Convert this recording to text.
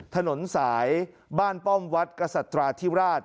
ถนนสายบ้านป้อมวัดกษัตราธิราช